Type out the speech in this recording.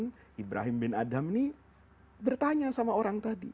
kemudian ibrahim bin adam ini bertanya sama orang tadi